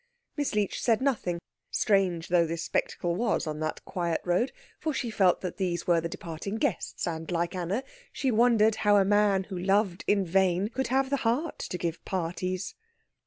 Miss Leech said nothing, strange though this spectacle was on that quiet road, for she felt that these were the departing guests, and, like Anna, she wondered how a man who loved in vain could have the heart to give parties.